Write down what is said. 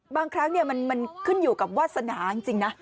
บางครั้งมันขึ้นอยู่กับวาสนาจริงนะ